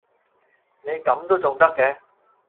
你噉都重得嘅